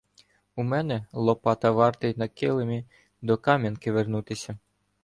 — У мене Лопата вартий на килимі до Кам'янки вернутися.